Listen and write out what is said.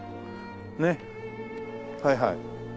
ねっはいはい。